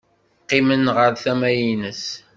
Qqimen ɣer tama-nnes.